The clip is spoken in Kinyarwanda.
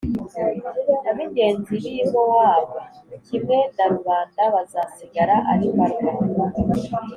ab’ingenzi b’i Mowabu kimwe na rubanda bazasigara ari mbarwa.